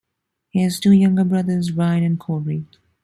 He has two younger brothers, Ryan and Cory.